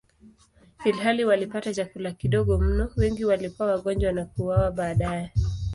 Ilhali walipata chakula kidogo mno, wengi walikuwa wagonjwa na kuuawa baadaye.